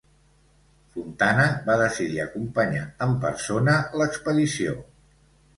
Fontana va decidir acompanyar en persona l'expedició.